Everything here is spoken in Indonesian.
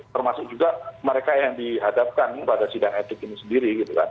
termasuk juga mereka yang dihadapkan pada sidang etik ini sendiri